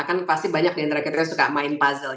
kan pasti banyak diantara kita suka main puzzle